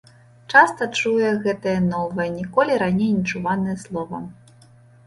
Часта чуе гэтае новае, ніколі раней нечуванае слова.